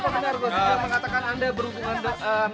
mengatakan anda mau menikah dengan bunga dalam